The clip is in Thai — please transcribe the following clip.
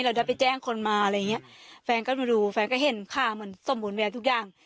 เราได้ไปแจ้งคนมาอะไรอย่างเงี้ยแฟนก็มาดูแฟนก็เห็นค่ะเหมือนสมบูรณแวะทุกอย่าง